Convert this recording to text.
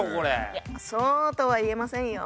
いやそうとは言えませんよ。